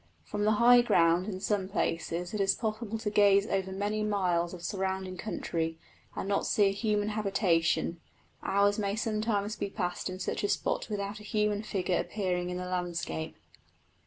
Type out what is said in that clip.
From the high ground in some places it is possible to gaze over many miles of surrounding country and not see a human habitation; hours may sometimes be passed in such a spot without a human figure appearing in the landscape.